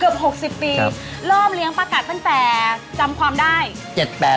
เกือบ๖๐ปีเริ่มเลี้ยงปากัดตั้งแต่จำความได้๗๘ขวบ